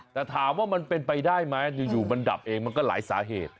แต่ถามว่ามันเป็นไปได้ไหมอยู่มันดับเองมันก็หลายสาเหตุ